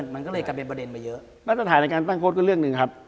มันก็เลยกลายเป็นประเด็นมาเยอะมาตรฐานในการตั้งโค้ดก็เรื่องหนึ่งครับ